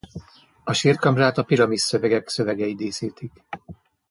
A sírkamrát a Piramisszövegek szövegei díszítik.